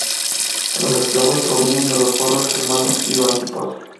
Los eslavos provienen de los pueblos germanos y bálticos.